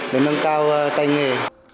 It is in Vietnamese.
để nâng cao tay nghề